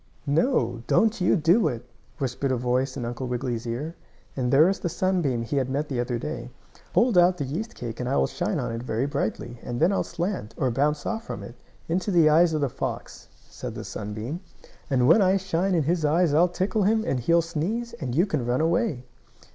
"No, don't you do it!" whispered a voice in Uncle Wiggily's ear, and there was the sunbeam he had met the other day. "Hold out the yeast cake and I will shine on it very brightly, and then I'll slant, or bounce off from it, into the eyes of the fox," said the sunbeam. "And when I shine in his eyes I'll tickle him, and he'll sneeze, and you can run away."